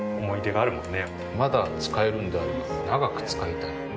まだ使えるんであれば長く使いたい。